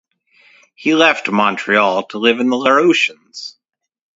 He left Montreal to live in the Laurentians.